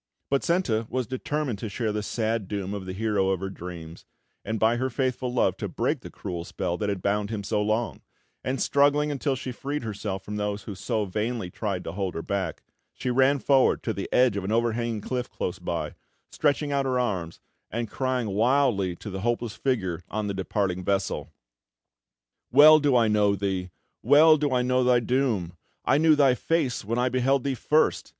But Senta was determined to share the sad doom of the hero of her dreams, and by her faithful love to break the cruel spell that had bound him so long; and struggling until she freed herself from those who so vainly tried to hold her back, she ran forward to the edge of an overhanging cliff close by, stretching out her arms, and crying wildly to the hopeless figure on the departing vessel: "Well do I know thee Well do I know thy doom! I knew thy face when I beheld thee first!